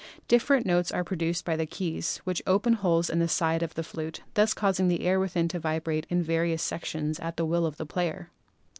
Different notes are produced by the keys, which open holes in the side of the flute, thus causing the air within to vibrate in various sec tions at the will of the player.